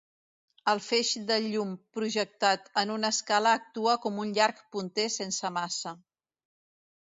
El feix de llum projectat en una escala actua com un llarg punter sense massa.